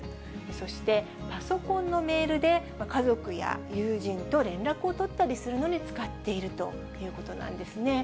そして、パソコンのメールで、家族や友人と連絡を取ったりするのに使っているということなんですね。